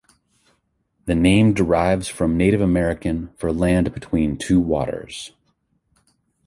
The name derives from Native American for land between two waters.